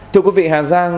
thưa quý vị hà giang